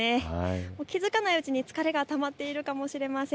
気付かないうちに疲れがたまっているかもしれません。